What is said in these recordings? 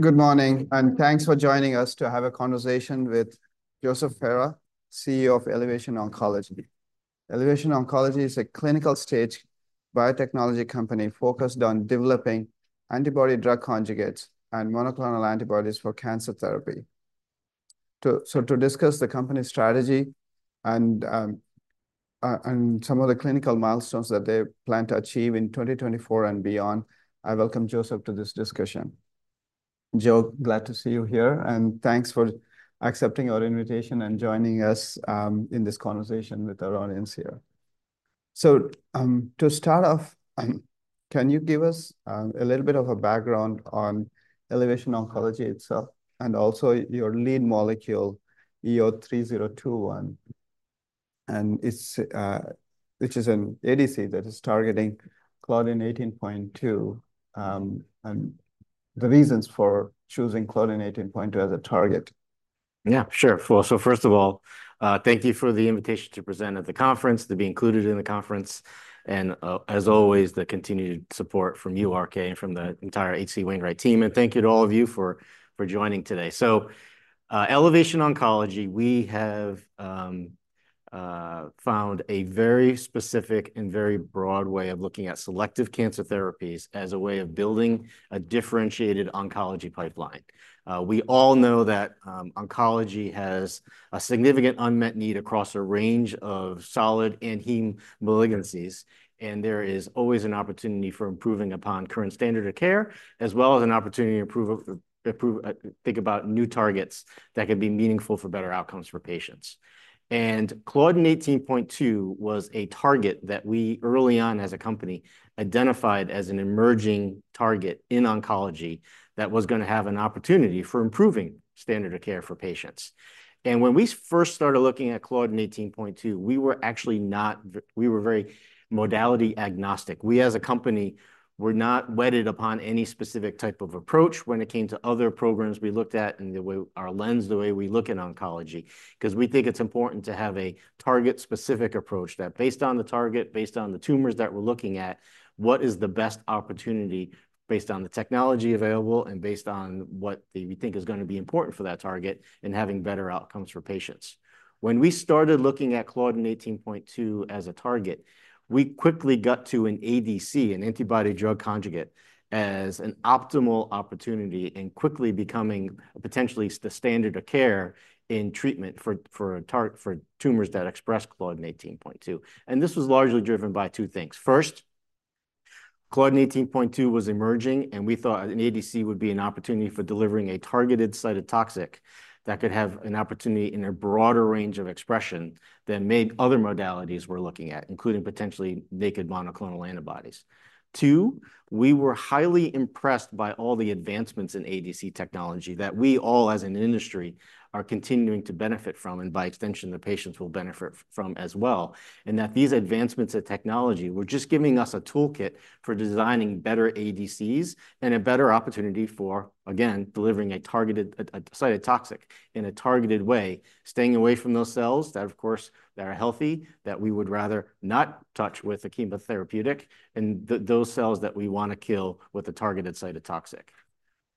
Good morning, and thanks for joining us to have a conversation with Joseph Ferra, CEO of Elevation Oncology. Elevation Oncology is a clinical-stage biotechnology company focused on developing antibody-drug conjugates and monoclonal antibodies for cancer therapy. So to discuss the company's strategy and some of the clinical milestones that they plan to achieve in 2024 and beyond, I welcome Joseph to this discussion. Joe, glad to see you here, and thanks for accepting our invitation and joining us in this conversation with our audience here. So to start off, can you give us a little bit of a background on Elevation Oncology itself, and also your lead molecule, EO-3021, and it's which is an ADC that is targeting Claudin 18.2, and the reasons for choosing Claudin 18.2 as a target? Yeah, sure. Well, so first of all, thank you for the invitation to present at the conference, to be included in the conference, and, as always, the continued support from you, RK, and from the entire H.C. Wainwright team. And thank you to all of you for joining today. So, Elevation Oncology, we have found a very specific and very broad way of looking at selective cancer therapies as a way of building a differentiated oncology pipeline. We all know that oncology has a significant unmet need across a range of solid and heme malignancies, and there is always an opportunity for improving upon current standard of care, as well as an opportunity to improve, think about new targets that could be meaningful for better outcomes for patients. Claudin 18.2 was a target that we, early on as a company, identified as an emerging target in oncology that was gonna have an opportunity for improving standard of care for patients. When we first started looking at Claudin 18.2, we were actually very modality agnostic. We, as a company, were not wedded to any specific type of approach when it came to other programs we looked at and the way our lens, the way we look in oncology, 'cause we think it's important to have a target-specific approach that, based on the target, based on the tumors that we're looking at, what is the best opportunity based on the technology available and based on what we think is gonna be important for that target in having better outcomes for patients? When we started looking at Claudin 18.2 as a target, we quickly got to an ADC, an antibody-drug conjugate, as an optimal opportunity and quickly becoming potentially the standard of care in treatment for tumors that express Claudin 18.2. And this was largely driven by two things. First, Claudin 18.2 was emerging, and we thought an ADC would be an opportunity for delivering a targeted cytotoxic that could have an opportunity in a broader range of expression than many other modalities we're looking at, including potentially naked monoclonal antibodies. Two, we were highly impressed by all the advancements in ADC technology that we all, as an industry, are continuing to benefit from, and by extension, the patients will benefit from as well, and that these advancements in technology were just giving us a toolkit for designing better ADCs and a better opportunity for, again, delivering a targeted, a cytotoxic in a targeted way, staying away from those cells that, of course, that are healthy, that we would rather not touch with a chemotherapeutic, and those cells that we wanna kill with a targeted cytotoxic.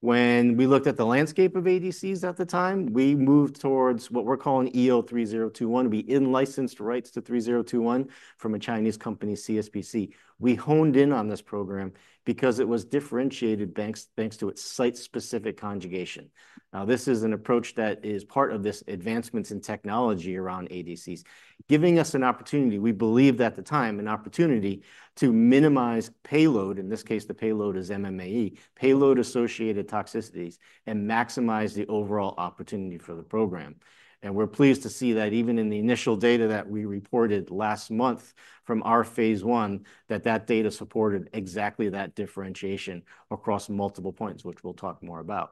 When we looked at the landscape of ADCs at the time, we moved towards what we're calling EO-3021. We in-licensed rights to 3021 from a Chinese company, CSPC. We honed in on this program because it was differentiated thanks to its site-specific conjugation. Now, this is an approach that is part of this advancements in technology around ADCs, giving us an opportunity, we believe at the time, an opportunity to minimize payload, in this case, the payload is MMAE, payload-associated toxicities, and maximize the overall opportunity for the program, and we're pleased to see that even in the initial data that we reported last month from our phase 1, that that data supported exactly that differentiation across multiple points, which we'll talk more about,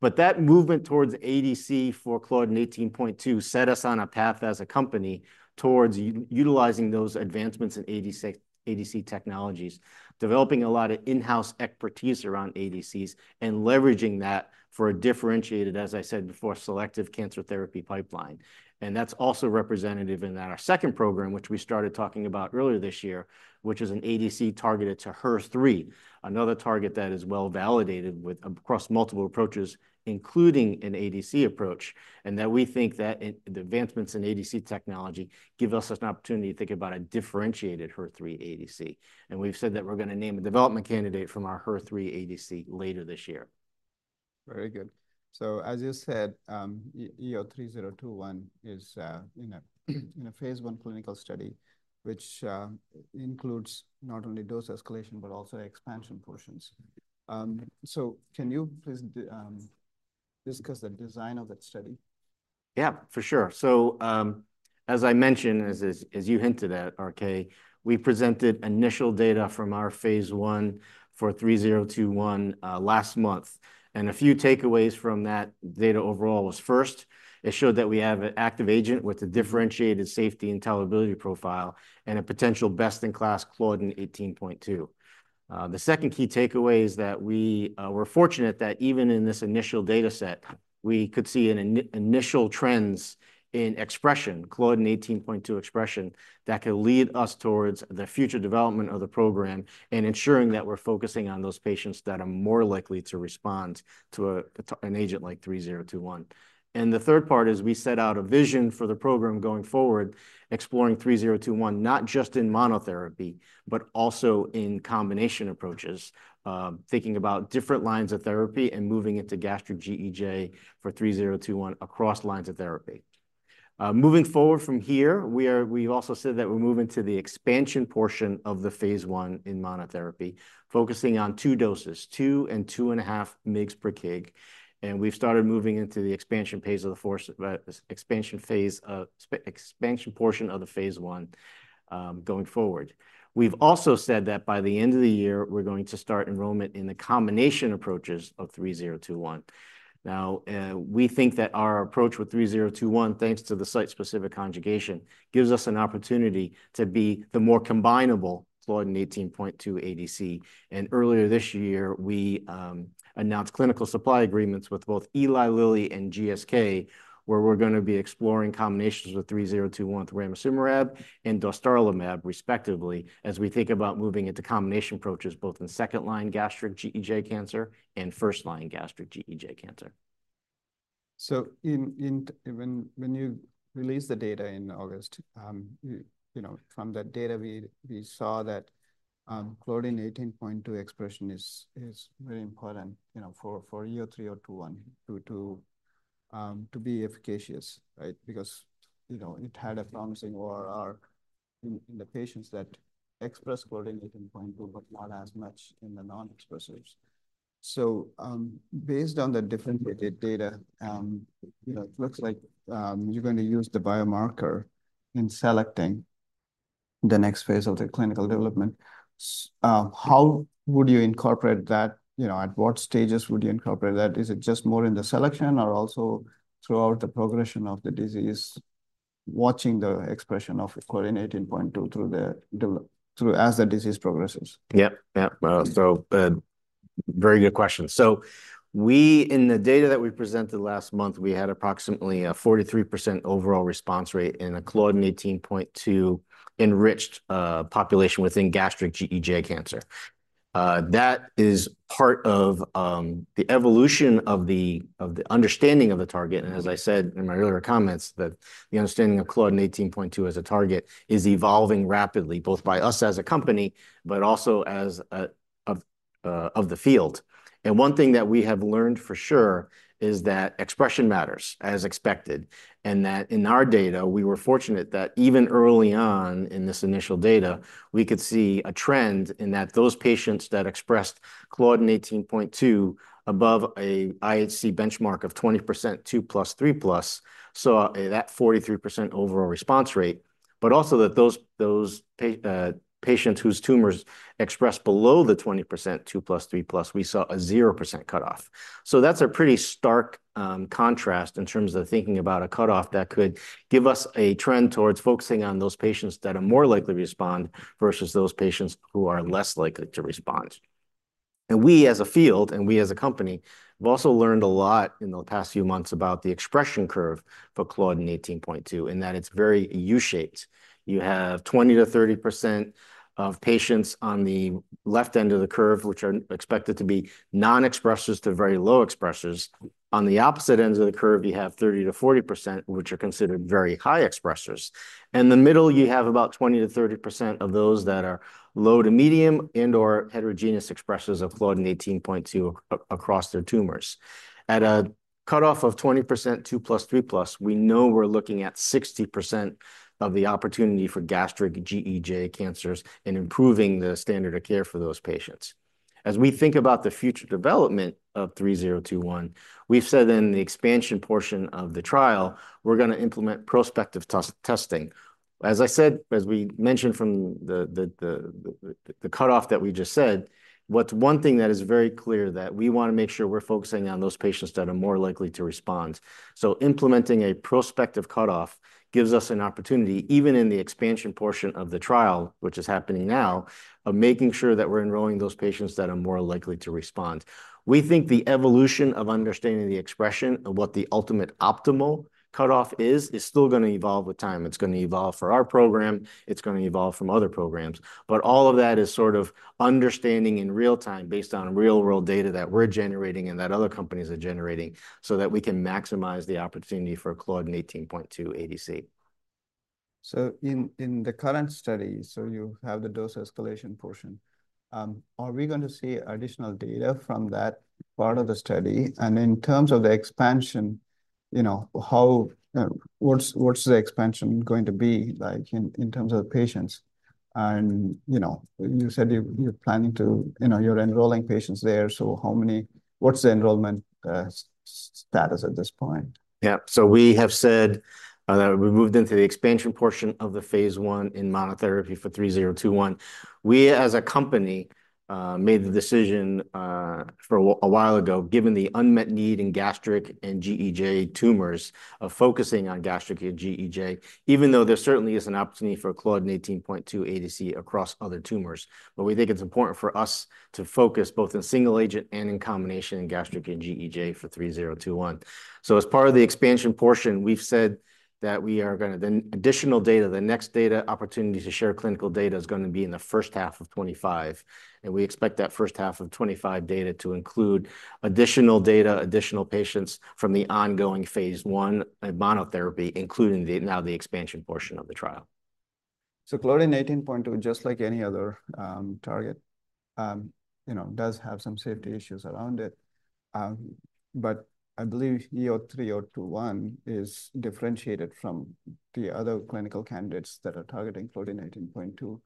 but that movement towards ADC for Claudin 18.2 set us on a path as a company towards utilizing those advancements in ADC, ADC technologies, developing a lot of in-house expertise around ADCs, and leveraging that for a differentiated, as I said before, selective cancer therapy pipeline. And that's also representative in that our second program, which we started talking about earlier this year, which is an ADC targeted to HER3, another target that is well-validated with across multiple approaches, including an ADC approach, and that we think that in the advancements in ADC technology give us an opportunity to think about a differentiated HER3 ADC. And we've said that we're gonna name a development candidate from our HER3 ADC later this year. Very good, so as you said, EO-3021 is in a phase one clinical study, which includes not only dose escalation, but also expansion portions. Can you please discuss the design of that study? Yeah, for sure. So, as I mentioned, as you hinted at, RK, we presented initial data from our phase 1 for EO-3021 last month, and a few takeaways from that data overall was, first, it showed that we have an active agent with a differentiated safety and tolerability profile and a potential best-in-class Claudin 18.2. The second key takeaway is that we were fortunate that even in this initial data set, we could see an initial trends in expression, Claudin 18.2 expression, that could lead us towards the future development of the program and ensuring that we're focusing on those patients that are more likely to respond to a, to an agent like EO-3021. And the third part is we set out a vision for the program going forward, exploring EO-3021, not just in monotherapy, but also in combination approaches, thinking about different lines of therapy and moving it to gastric GEJ for EO-3021 across lines of therapy. Moving forward from here, we've also said that we're moving to the expansion portion of the phase 1 in monotherapy, focusing on two doses, 2 and 2.5 mg per kg, and we've started moving into the expansion portion of the phase 1, going forward. We've also said that by the end of the year, we're going to start enrollment in the combination approaches of EO-3021. Now, we think that our approach with EO-3021, thanks to the site-specific conjugation, gives us an opportunity to be the more combinable Claudin 18.2 ADC. And earlier this year, we announced clinical supply agreements with both Eli Lilly and GSK, where we're gonna be exploring combinations of EO-3021 with ramucirumab and dostarlimab, respectively, as we think about moving into combination approaches, both in second-line gastric GEJ cancer and first-line gastric GEJ cancer. So, when you released the data in August, you know, from that data, we saw that Claudin 18.2 expression is very important, you know, for EO-3021 to be efficacious, right? Because, you know, it had a promising ORR in the patients that expressed Claudin 18.2, but not as much in the non-expressers. So, based on the differentiated data, you know, it looks like you're going to use the biomarker in selecting the next phase of the clinical development. So, how would you incorporate that? You know, at what stages would you incorporate that? Is it just more in the selection or also throughout the progression of the disease, watching the expression of Claudin 18.2 through as the disease progresses? Yep. Yep. So, very good question. So we, in the data that we presented last month, we had approximately a 43% overall response rate in a Claudin 18.2 enriched population within gastric GEJ cancer. That is part of the evolution of the understanding of the target, and as I said in my earlier comments, that the understanding of Claudin 18.2 as a target is evolving rapidly, both by us as a company, but also as a field. One thing that we have learned for sure is that expression matters, as expected, and that in our data, we were fortunate that even early on in this initial data, we could see a trend in that those patients that expressed Claudin 18.2 above a IHC benchmark of 20%, 2+, 3+, saw that 43% overall response rate, but also that those patients whose tumors expressed below the 20%, 2+, 3+, we saw a 0% cutoff. That's a pretty stark contrast in terms of thinking about a cutoff that could give us a trend towards focusing on those patients that are more likely to respond, versus those patients who are less likely to respond. We, as a field, and we as a company, have also learned a lot in the past few months about the expression curve for Claudin 18.2, in that it's very U-shaped. You have 20%-30% of patients on the left end of the curve, which are expected to be non-expressers to very low expressers. On the opposite ends of the curve, you have 30%-40%, which are considered very high expressers. In the middle, you have about 20%-30% of those that are low to medium and/or heterogeneous expressers of Claudin 18.2 across their tumors. At a cut-off of 20%, 2+, 3+, we know we're looking at 60% of the opportunity for gastric GEJ cancers in improving the standard of care for those patients. As we think about the future development of EO-3021, we've said in the expansion portion of the trial, we're gonna implement prospective testing. As I said, as we mentioned from the cut-off that we just said, what's one thing that is very clear, that we wanna make sure we're focusing on those patients that are more likely to respond. So implementing a prospective cut-off gives us an opportunity, even in the expansion portion of the trial, which is happening now, of making sure that we're enrolling those patients that are more likely to respond. We think the evolution of understanding the expression of what the ultimate optimal cut-off is, is still gonna evolve with time. It's gonna evolve for our program. It's gonna evolve from other programs. But all of that is sort of understanding in real time, based on real-world data that we're generating and that other companies are generating, so that we can maximize the opportunity for Claudin 18.2 ADC. So in the current study, you have the dose escalation portion. Are we going to see additional data from that part of the study? And in terms of the expansion, you know, how, what's the expansion going to be like in terms of patients? And you know, you said you're planning to, you know, you're enrolling patients there, so how many? What's the enrollment status at this point? Yeah. So we have said that we moved into the expansion portion of the phase one in monotherapy for EO-3021. We, as a company, made the decision a while ago, given the unmet need in gastric and GEJ tumors, of focusing on gastric and GEJ, even though there certainly is an opportunity for Claudin 18.2 ADC across other tumors. But we think it's important for us to focus both in single agent and in combination in gastric and GEJ for EO-3021. As part of the expansion portion, we've said that the additional data, the next data opportunity to share clinical data is gonna be in the first half of 2025, and we expect that first half of 2025 data to include additional data, additional patients from the ongoing phase one in monotherapy, including now the expansion portion of the trial. So Claudin 18.2, just like any other target, you know, does have some safety issues around it. But I believe EO-3021 is differentiated from the other clinical candidates that are targeting Claudin 18.2.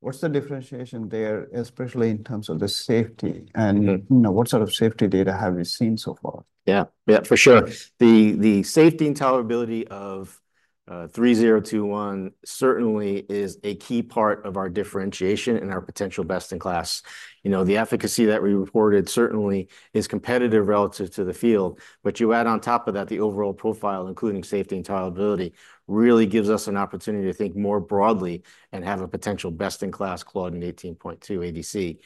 What's the differentiation there, especially in terms of the safety? And, you know, what sort of safety data have you seen so far? Yeah. Yeah, for sure. The safety and tolerability of EO-3021 certainly is a key part of our differentiation and our potential best-in-class. You know, the efficacy that we reported certainly is competitive relative to the field, but you add on top of that, the overall profile, including safety and tolerability, really gives us an opportunity to think more broadly and have a potential best-in-class Claudin 18.2 ADC.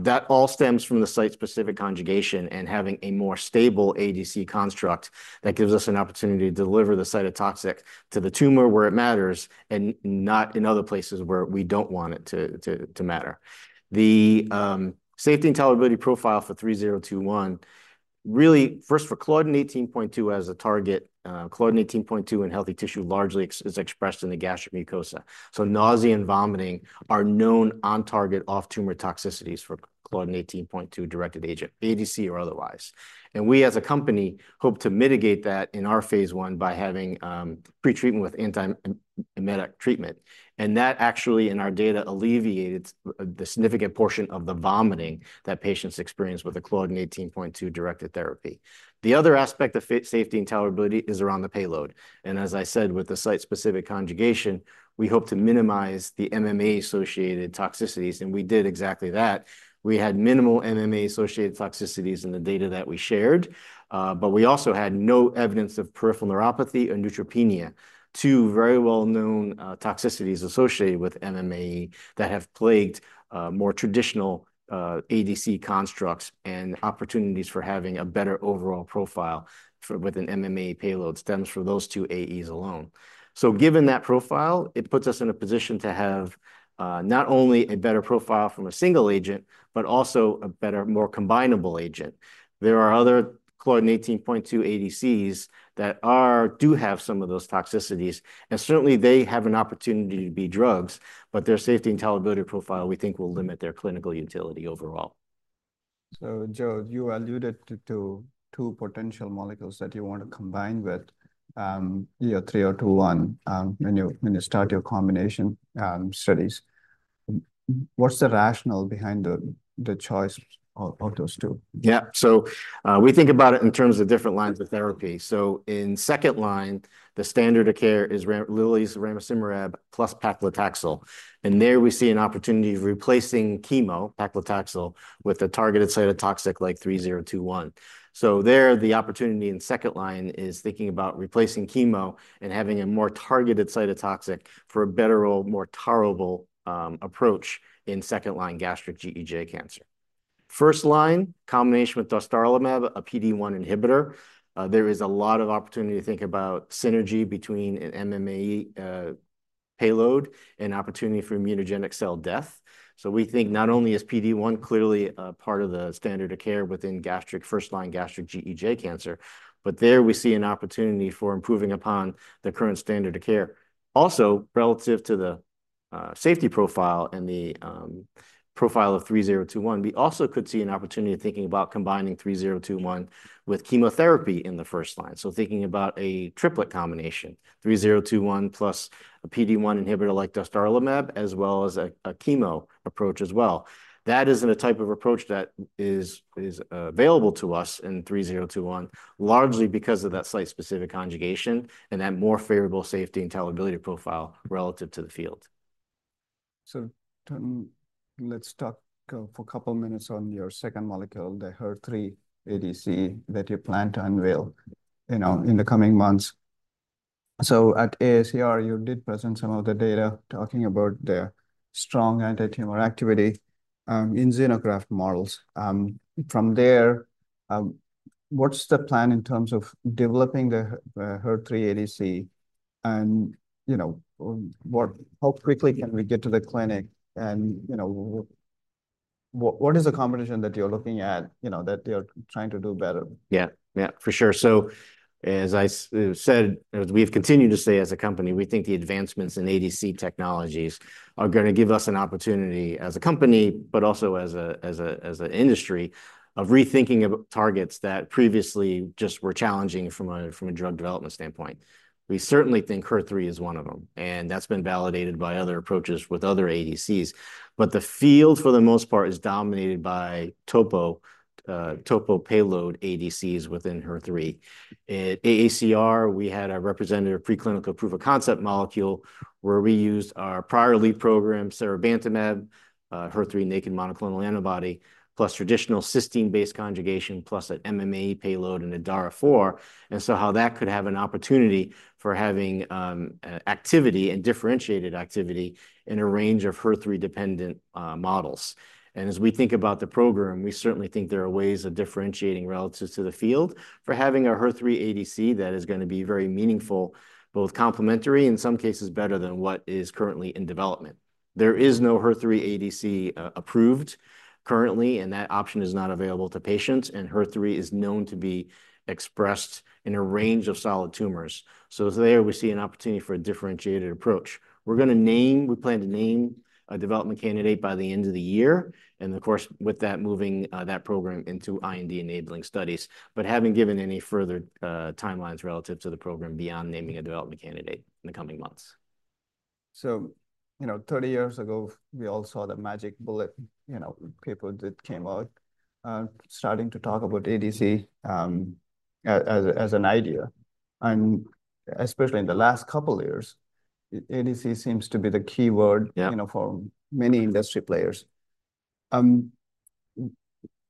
That all stems from the site-specific conjugation and having a more stable ADC construct that gives us an opportunity to deliver the cytotoxic to the tumor where it matters and not in other places where we don't want it to matter. The safety and tolerability profile for EO-3021, really, first, for Claudin 18.2 as a target, Claudin 18.2 in healthy tissue largely is expressed in the gastric mucosa, so nausea and vomiting are known on-target, off-tumor toxicities for Claudin 18.2-directed agent, ADC or otherwise. We, as a company, hope to mitigate that in our phase 1 by having pre-treatment with antiemetic treatment, and that actually, in our data, alleviated the significant portion of the vomiting that patients experience with a Claudin 18.2-directed therapy. The other aspect of safety and tolerability is around the payload, and as I said, with the site-specific conjugation, we hope to minimize the MMA-associated toxicities, and we did exactly that. We had minimal MMAE-associated toxicities in the data that we shared, but we also had no evidence of peripheral neuropathy or neutropenia, two very well-known toxicities associated with MMAE that have plagued more traditional ADC constructs, and opportunities for having a better overall profile for, with an MMAE payload stems from those two AEs alone. So given that profile, it puts us in a position to have not only a better profile from a single agent, but also a better, more combinable agent. There are other Claudin 18.2 ADCs that do have some of those toxicities, and certainly, they have an opportunity to be drugs, but their safety and tolerability profile, we think, will limit their clinical utility overall. So, Joe, you alluded to two potential molecules that you want to combine with EO-3021 when you start your combination studies. What's the rationale behind the choice of those two? Yeah. So, we think about it in terms of different lines of therapy. So in second line, the standard of care is Lilly's ramucirumab plus paclitaxel, and there we see an opportunity of replacing chemo, paclitaxel, with a targeted cytotoxic, like EO-3021. So there, the opportunity in second line is thinking about replacing chemo and having a more targeted cytotoxic for a better, more tolerable approach in second-line gastric GEJ cancer. First-line combination with dostarlimab, a PD-1 inhibitor, there is a lot of opportunity to think about synergy between an MMAE payload and opportunity for immunogenic cell death. So we think not only is PD-1 clearly a part of the standard of care within gastric first-line gastric GEJ cancer, but there we see an opportunity for improving upon the current standard of care. Also, relative to the safety profile and the profile of EO-3021, we also could see an opportunity to thinking about combining EO-3021 with chemotherapy in the first line, so thinking about a triplet combination, EO-3021, plus a PD-1 inhibitor, like dostarlimab, as well as a chemo approach as well. That isn't a type of approach that is available to us in EO-3021, largely because of that site-specific conjugation and that more favorable safety and tolerability profile relative to the field. So then let's talk for a couple minutes on your second molecule, the HER3 ADC, that you plan to unveil, you know, in the coming months. So at AACR, you did present some of the data talking about the strong anti-tumor activity in xenograft models. From there, what's the plan in terms of developing the HER3 ADC, and you know, how quickly can we get to the clinic? And, you know, what is the combination that you're looking at, you know, that you're trying to do better? Yeah. Yeah, for sure. So as I said, as we've continued to say as a company, we think the advancements in ADC technologies are gonna give us an opportunity as a company, but also as an industry, of rethinking about targets that previously just were challenging from a drug development standpoint. We certainly think HER3 is one of them, and that's been validated by other approaches with other ADCs. But the field, for the most part, is dominated by topo payload ADCs within HER3. At AACR, we had a representative preclinical proof-of-concept molecule, where we used our prior lead program, seribantumab, HER3 naked monoclonal antibody, plus traditional cysteine-based conjugation, plus an MMA payload and a DAR of 4. And so how that could have an opportunity for having activity and differentiated activity in a range of HER3-dependent models. As we think about the program, we certainly think there are ways of differentiating relative to the field. For having a HER3 ADC, that is gonna be very meaningful, both complementary, in some cases, better than what is currently in development. There is no HER3 ADC approved currently, and that option is not available to patients, and HER3 is known to be expressed in a range of solid tumors. So there, we see an opportunity for a differentiated approach. We plan to name a development candidate by the end of the year, and of course, with that, moving that program into IND-enabling studies. But haven't given any further timelines relative to the program beyond naming a development candidate in the coming months. So, you know, 30 years ago, we all saw the magic bullet, you know, paper that came out, starting to talk about ADC as an idea. And especially in the last couple of years, ADC seems to be the keyword. Yeah... you know, for many industry players. When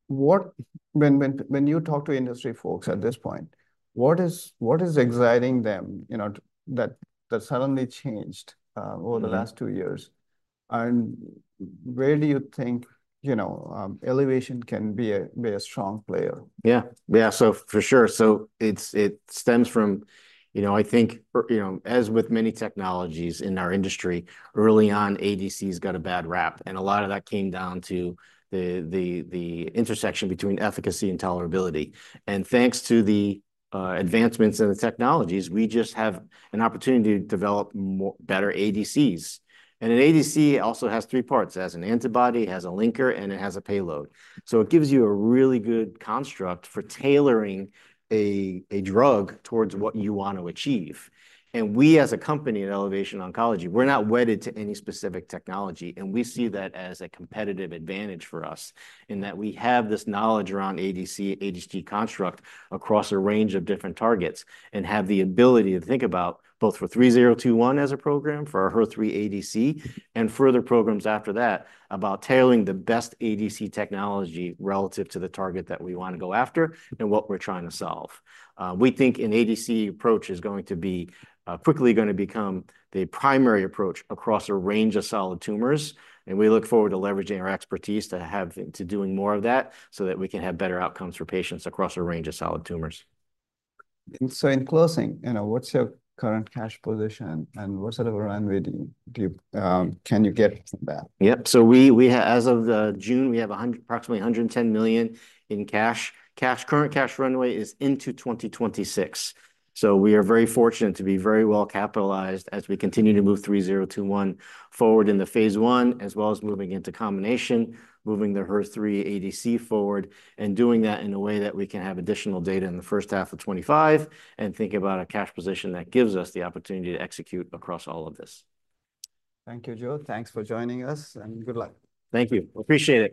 you talk to industry folks at this point, what is exciting them, you know, that suddenly changed, Mm-hmm... over the last two years? And where do you think, you know, Elevation can be a strong player? Yeah. Yeah, so for sure. So it's, it stems from, you know, I think, or, you know, as with many technologies in our industry, early on, ADCs got a bad rap, and a lot of that came down to the intersection between efficacy and tolerability. And thanks to the advancements in the technologies, we just have an opportunity to develop more better ADCs. And an ADC also has three parts. It has an antibody, it has a linker, and it has a payload. So it gives you a really good construct for tailoring a drug towards what you want to achieve. We, as a company at Elevation Oncology, we're not wedded to any specific technology, and we see that as a competitive advantage for us, in that we have this knowledge around ADC, ADC construct, across a range of different targets, and have the ability to think about, both for EO-3021 as a program, for our HER3 ADC, and further programs after that, about tailoring the best ADC technology relative to the target that we wanna go after and what we're trying to solve. We think an ADC approach is going to be quickly gonna become the primary approach across a range of solid tumors, and we look forward to leveraging our expertise to doing more of that, so that we can have better outcomes for patients across a range of solid tumors. So in closing, you know, what's your current cash position, and what sort of runway can you get from that? Yep. So we, as of June, we have approximately $110 million in cash. Current cash runway is into 2026. So we are very fortunate to be very well capitalized as we continue to move EO-3021 forward in the phase I, as well as moving into combination, moving the HER3 ADC forward, and doing that in a way that we can have additional data in the first half of 2025, and think about a cash position that gives us the opportunity to execute across all of this. Thank you, Joe. Thanks for joining us, and good luck. Thank you. Appreciate it.